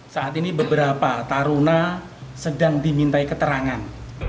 saat ini beberapa taruna sedang dimintai keterangan